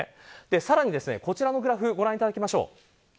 さらに、こちらのグラフをご覧いただきましょう。